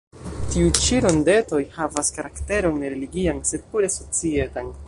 Tiuj ĉi rondetoj havas karakteron ne religian, sed pure societan.